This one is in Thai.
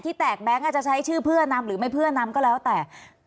แตกแบงค์อาจจะใช้ชื่อเพื่อนำหรือไม่เพื่อนำก็แล้วแต่